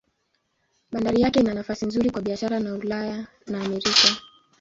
Bandari yake ina nafasi nzuri kwa biashara na Ulaya na Amerika.